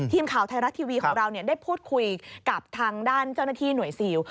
ทีมข่าวไทยรัฐทีวีของเราได้พูดคุยกับทางด้านเจ้าหน้าที่หน่วยซิล